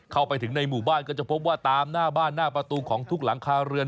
เข้าไปถึงในหมู่บ้านก็จะพบว่าตามหน้าบ้านหน้าประตูของทุกหลังคาเรือน